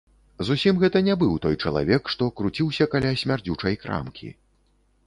Зусім гэта не быў той чалавек, што круціўся каля смярдзючай крамкі.